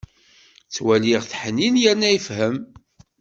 Ttwaliɣ-t ḥnin yerna yefhem.